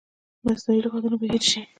مصنوعي لغتونه به هیر شي.